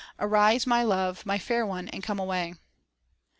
Arise, my love, my fair one, and come away."